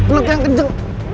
belum kayak kenceng